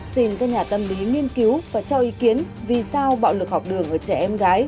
xin các nhà tâm lý nghiên cứu và cho ý kiến vì sao bạo lực học đường ở trẻ em gái